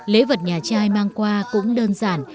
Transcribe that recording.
lễ vật nhà chai mang qua cũng đơn giản